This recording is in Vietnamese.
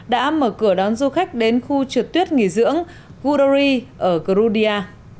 đã mở cửa đón du khách đến khu trượt tuyết nghỉ dưỡng gudori ở grudia